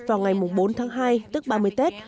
vào ngày bốn tháng hai tức ba mươi tết